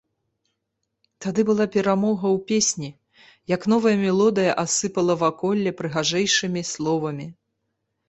Тады была перамога ў песні, як новая мелодыя асыпала ваколле прыгажэйшымі словамі.